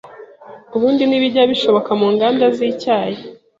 Ubundi ntibijya bishoboka mu nganda z’icyayi